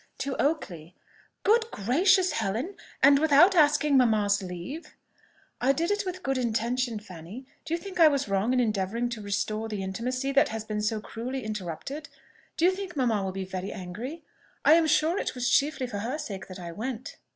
"To Oakley." "Good gracious, Helen! and without asking mamma's leave?" "I did it with a good intention, Fanny. Do you think I was wrong in endeavouring to restore the intimacy that has been so cruelly interrupted? Do you think mamma will be very angry? I am sure it was chiefly for her sake that I went."